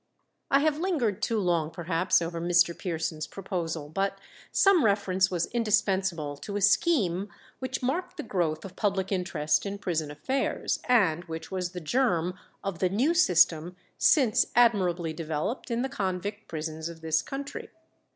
I have lingered too long perhaps over Mr. Pearson's proposal, but some reference was indispensable to a scheme which marked the growth of public interest in prison affairs, and which was the germ of the new system since admirably developed in the convict prisons of this country.